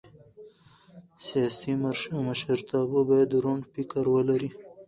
سیاسي مشرتابه باید روڼ فکر ولري